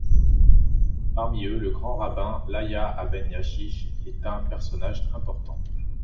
Parmi eux, le grand rabbin Iáhia Aben-Yasich est un personnage important.